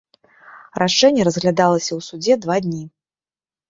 Рашэнне разглядалася ў судзе два дні.